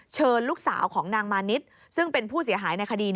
เชิญลูกสาวของนางมานิดซึ่งเป็นผู้เสียหายในคดี